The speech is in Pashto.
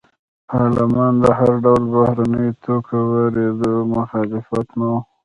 پارلمان د هر ډول بهرنیو توکو واردېدو مخالف نه و.